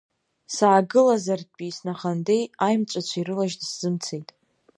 Саагылазартәи снахандеи аимҵәацәа ирылажьны сзымцеит.